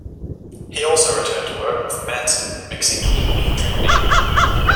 He also returned to work with Manson, mixing "Eat Me, Drink Me".